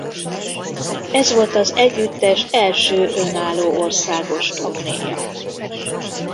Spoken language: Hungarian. Ez volt az együttes első önálló országos turnéja.